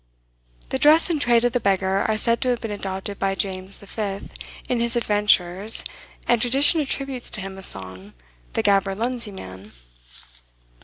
The dress and trade of the beggar are said to have been adopted by James V. in his adventures, and tradition attributes to him a song, "The Gaberlunzie Man."